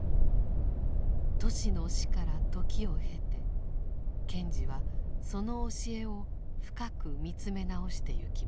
トシの死から時を経て賢治はその教えを深く見つめ直してゆきます。